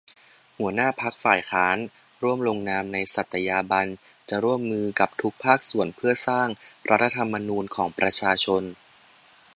หัวหน้าพรรคฝ่ายค้านร่วมลงนามในสัตยาบันจะร่วมมือกับทุกภาคส่วนเพื่อสร้าง รัฐธรรมนูญ ของประชาชน